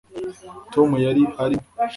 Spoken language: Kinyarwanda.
tom yari arimo